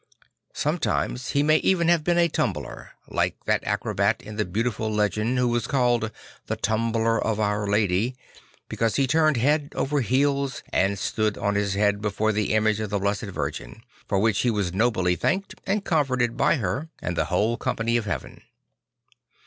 Sometimes he may have been even a tumbler; like that acrobat in the beautiful legend who \vas called" The Tumbler of Our Lady," because he turned head over heels and stood on his head before the image of the Blessed Virgin, for which he was nobly thanked and comforted by her and the \vhole company of heaven.